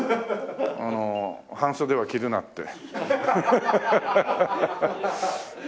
あの半袖は着るなって。